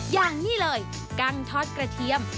อย่างนี้เลยกั้งทอดกระเทียม